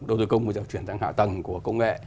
đầu tư công bây giờ chuyển sang hạ tầng của công nghệ